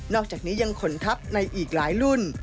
อกจากนี้ยังขนทัพในอีกหลายรุ่น